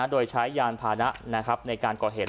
โดยใช้ยานพานะในการก่อเหตุ